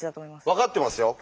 分かってますよ。